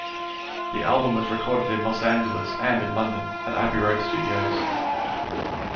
The album was recorded in Los Angeles and in London at Abbey Road Studios.